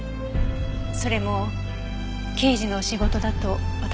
それも刑事の仕事だと私は思う。